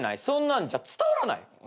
そんなんじゃ伝わらない。